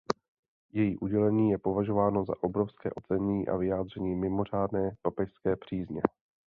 Její udělení je považováno za obrovské ocenění a vyjádření mimořádné papežské přízně.